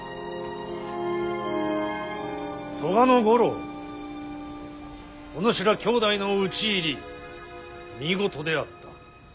曽我五郎おぬしら兄弟の討ち入り見事であった。